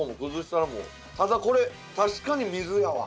ただこれ確かに水やわ。